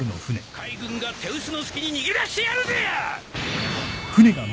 海軍が手薄の隙に逃げ出してやるぜ！